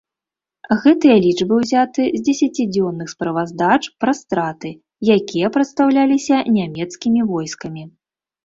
Гэтыя лічбы ўзяты з дзесяцідзённых справаздач пра страты, якія прадстаўляліся нямецкімі войскамі.